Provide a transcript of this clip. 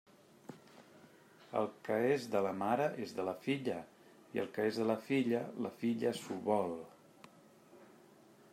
El que és de la mare és de la filla, i el que és de la filla, la filla s'ho vol.